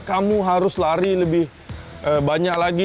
kamu harus lari lebih banyak lagi